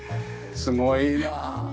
すごいな。